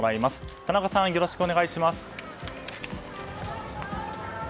田中さん、よろしくお願いします。